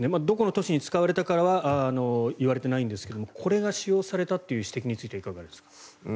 どこの都市に使われたかは言われていないんですがこれが使用されたという指摘についてはいかがですか？